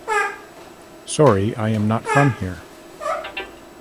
Sorry.i am not from here.